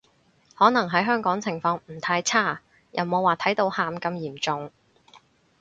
可能喺香港情況唔太差，又冇話睇到喊咁嚴重